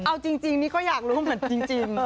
เอาจริงนี่ก็อยากรู้เหมือนจริง